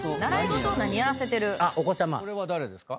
これは誰ですか？